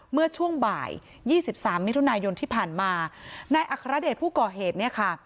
เมื่อช่วงบ่ายยี่สิบสามมิถุนายนที่ผ่านมานายอัครเดชผู้ก่อเหตุเนี่ยค่ะ